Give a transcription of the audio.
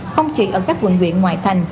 không chỉ ở các quận viện ngoài thành